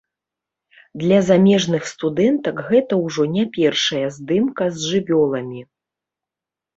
Для замежных студэнтак гэта ўжо не першая здымка з жывёламі.